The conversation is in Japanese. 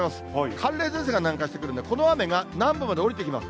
寒冷前線が南下してくるんで、この雨が南部までおりてきます。